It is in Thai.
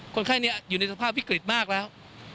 คนไข้นี้อยู่ในสภาพวิกฤตมากแล้ว